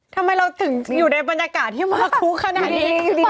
ทำไมเราถึงอยู่ในบรรยากาศที่มาคุกขนาดนี้